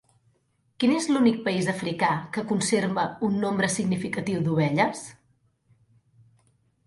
Quin és l'únic país africà que conserva un nombre significatiu d'ovelles?